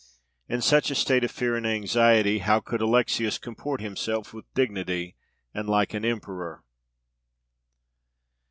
In such a state of fear and anxiety, how could Alexius comport himself with dignity and like an emperor?"